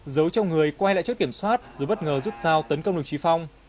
giấu cho người quay lại trước kiểm soát rồi bất ngờ giúp dao tấn công đồng chí phong